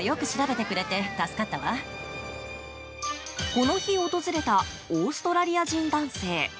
この日訪れたオーストラリア人男性。